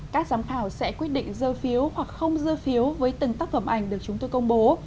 các giám khảo sẽ quyết định dơ phiếu hoặc không dơ phiếu với từng tác phẩm ảnh được chúng tôi công bố